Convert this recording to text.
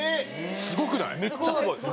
すごくない？